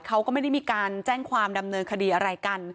เขาก็ไม่ได้มีการแจ้งความดำเนินคดีอะไรกัน